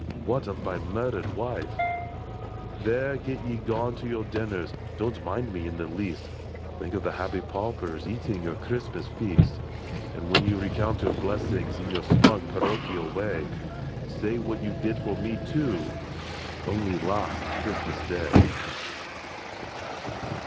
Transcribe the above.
What of my murdered wife ! ^F ^p ^p T^ " There, get ye gone to your dinners ; Don't mind me in the least ; Think of the happy paupers Eating your Christmas fi^ast ;, And when you recount their blessings In your smug parochial way, Say what you did for me, too, Only last Christmas Day."